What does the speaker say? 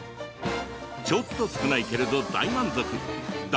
ちょっと少ないけれど大満足。